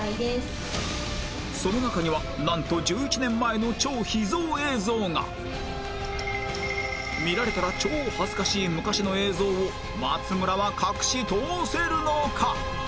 その中にはなんと見られたら超恥ずかしい昔の映像を松村は隠し通せるのか！？